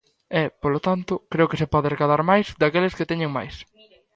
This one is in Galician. E, polo tanto, creo que se pode recadar máis daqueles que teñen máis.